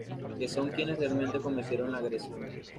que son quienes realmente cometieron la agresión